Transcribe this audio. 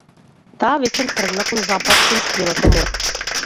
Таа вечер тргна кон запад, кон скриеното море.